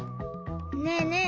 ねえねえ